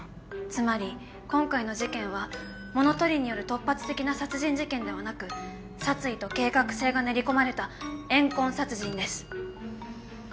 つまり今回の事件は物取りによる突発的な殺人事件ではなく殺意と計画性が練り込まれた怨恨殺人です。